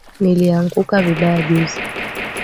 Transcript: Nilianguka vibaya juzi